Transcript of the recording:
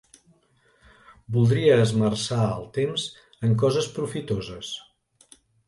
Voldria esmerçar el temps en coses profitoses.